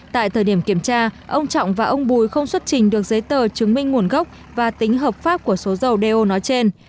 tại thời điểm kiểm tra ông trọng và ông bùi không xuất trình được giấy tờ chứng minh nguồn gốc và tính hợp pháp của số dầu do nói trên